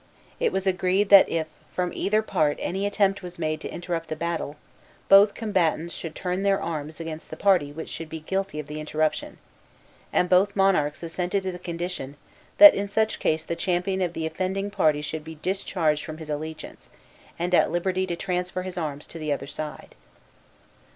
It was agreed that if from either part any attempt was made to interrupt the battle both combatants should turn their arms against the party which should be guilty of the interruption; and both monarchs assented to the condition that in such case the champion of the offending party should be discharged from his allegiance, and at liberty to transfer his arms to the other side.